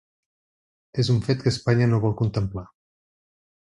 És un fet que Espanya no vol contemplar.